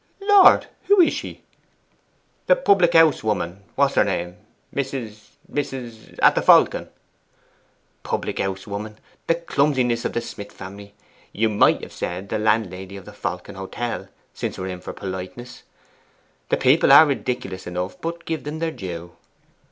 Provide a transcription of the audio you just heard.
'Lord! who is she?' 'The public house woman what's her name? Mrs. Mrs. at the Falcon.' 'Public house woman. The clumsiness of the Smith family! You MIGHT say the landlady of the Falcon Hotel, since we are in for politeness. The people are ridiculous enough, but give them their due.